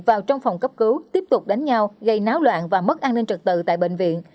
vào trong phòng cấp cứu tiếp tục đánh nhau gây náo loạn và mất an ninh trật tự tại bệnh viện